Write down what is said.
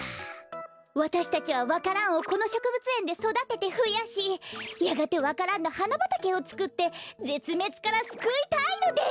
わたしたちはわか蘭をこのしょくぶつえんでそだててふやしやがてわか蘭のはなばたけをつくってぜつめつからすくいたいのです。